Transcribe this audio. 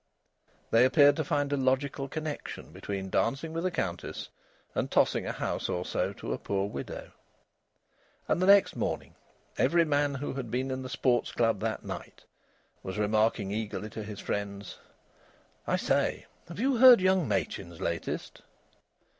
They appeared to find a logical connection between dancing with a Countess and tossing a house or so to a poor widow. And the next morning every man who had been in the Sports Club that night was remarking eagerly to his friends: "I say, have you heard young Machin's latest?"